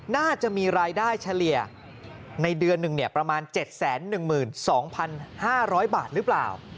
น่าจะมีรายได้เฉลี่ยในเดือนหนึ่งประมาณ๗๑๒๕๐๐บาทหรือเปล่า